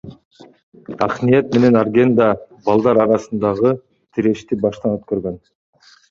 Акниет менен Арген да балдар арасындагы тирешти баштан өткөргөн.